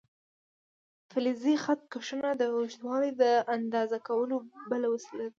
فلزي خط کشونه د اوږدوالي د اندازه کولو بله وسیله ده.